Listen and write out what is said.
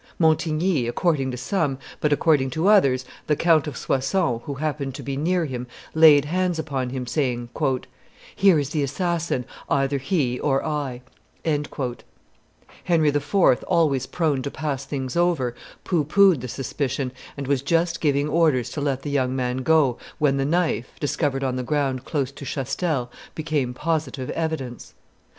Montigny, according to some, but, according to others, the Count of Soissons, who happened to be near him, laid hands upon him, saying, "Here is the assassin, either he or I." Henry IV., always prone to pass things over, pooh poohed the suspicion, and was just giving orders to let the young man go, when the knife, discovered on the ground close to Chastel, became positive evidence.